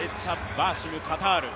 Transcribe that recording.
バーシム、カタール。